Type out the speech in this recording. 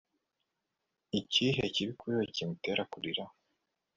ikihe kibi kuri we kimutera kurira